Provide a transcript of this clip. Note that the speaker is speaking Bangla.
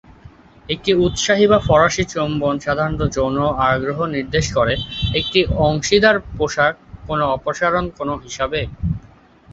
একটি উৎসাহী বা ফরাসি চুম্বন সাধারণত যৌন আগ্রহ নির্দেশ করে, একটি অংশীদার পোশাক কোন অপসারণ কোন হিসাবে।